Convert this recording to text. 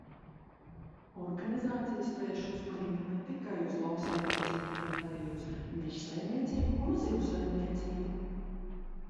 Organizācijas vērš uzmanību ne tikai uz lauksaimniecību, bet arī uz mežsaimniecību un zivsaimniecību.